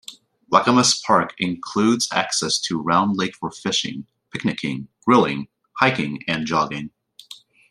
Lacamas Park includes access to Round Lake for fishing, picnicing, grilling, hiking, and jogging.